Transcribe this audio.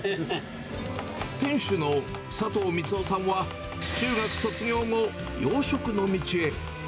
店主の佐藤光男さんは、中学卒業後、洋食の道へ。